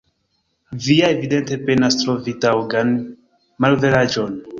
Vi ja evidente penas trovi taŭgan malveraĵon.